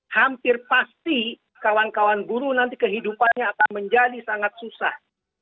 hampir pasti kawan kawan buruh nanti kehidupannya akan menjadi sangat susah